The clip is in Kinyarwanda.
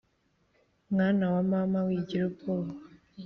mwana wa mama wigira ubwoba